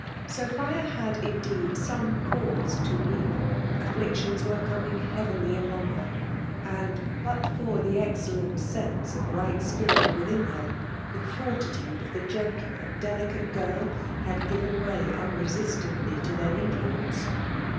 Sophia had, indeed, some cause to weep. Af iktions were coining heavily upon her ; and> but for the excellent sense and right spirit within her, the fortitude of the gentle and de licate gill had given waj mwenstingly to their influenoe.